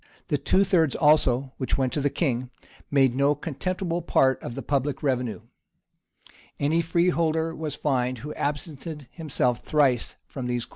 The two thirds also, which went to the king, made no contemptible part of the public revenue. Any free holder was fined who absented himself thrice from these courts.[] [* Higden, lib, i.